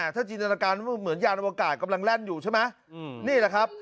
ถ้าจินตนาการเหมือนยานอวกาศกำลังแล่นอยู่ใช่ไหมนี่แหละครับ